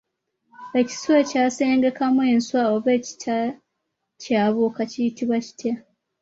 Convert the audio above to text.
Ekiswa ekyasengukamu enswa oba ekitakyabuuka kiyitibwa kitya ?